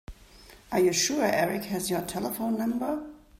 Are you sure Erik has our telephone number?